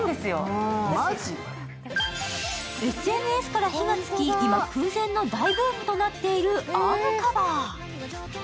ＳＮＳから火が付き、今、空前の大ブームとなっているアームカバー。